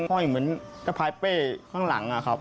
อ้อยเหมือนสะพายเป้ข้างหลังอะครับ